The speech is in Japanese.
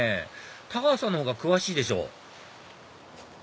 太川さんのほうが詳しいでしょ